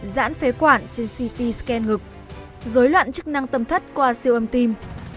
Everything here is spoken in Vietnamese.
giãn phế quản trên ct scan ngực dối loạn chức năng tâm thất qua siêu âm tim